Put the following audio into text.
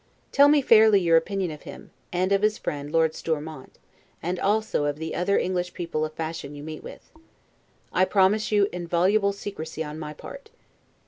Tell me fairly your opinion of him, and of his friend Lord Stormount: and also of the other English people of fashion you meet with. I promise you inviolable secrecy on my part.